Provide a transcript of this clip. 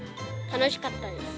楽しかったです。